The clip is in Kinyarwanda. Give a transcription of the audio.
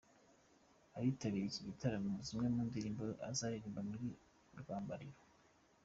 abitabiriye iki gitatamo zimwe mu ndirimbo ze aziririmbira muri rwambariro,.